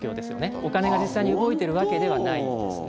お金が実際に動いてるわけではないんですね。